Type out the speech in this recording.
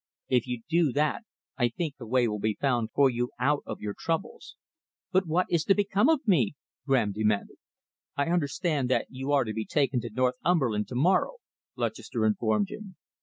If you do that, I think a way will be found for you out of your troubles." "But what is to become of me?" Graham demanded. "I understand that you are to be taken to Northumberland to morrow," Lutchester informed him.